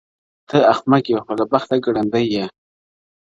ته احمق یې خو له بخته ګړندی یې٫